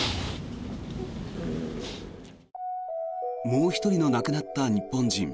もう一人の亡くなった日本人